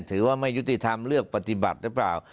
ถือว่าไม่ยุติธรรมเลือกปฏิบัติหรือเปล่า